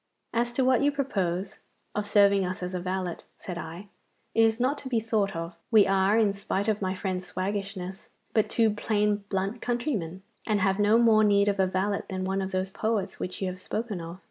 'As to what you proposed, of serving us as a valet,' said I, 'it is not to be thought of. We are, in spite of my friend's waggishness, but two plain blunt countrymen, and have no more need of a valet than one of those poets which you have spoken of.